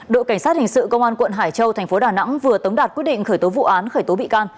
đội cảnh sát hình sự công an quận hải châu thành phố đà nẵng vừa tống đạt quyết định khởi tố vụ án khởi tố bị can